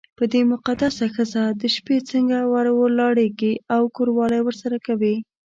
پر دې مقدسه ښځه د شپې څنګه ور ولاړېږې او کوروالی ورسره کوې.